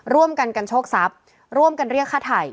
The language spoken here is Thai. ร่วมกันกันโชคทรัพย์ร่วมกันเรียกค่าไถ่